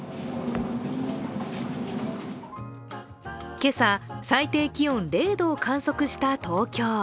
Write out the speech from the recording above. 今朝、最低気温０度を観測した東京。